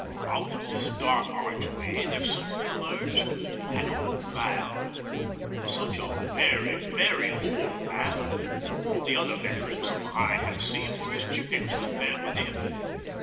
Out of this dark archway there suddenly emerged an old man such a very, very old man that all the other veterans whom I have seen were as chickens compared with him.